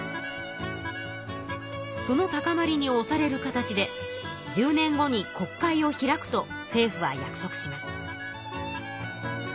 その高まりにおされる形で１０年後に国会を開くと政府は約束します。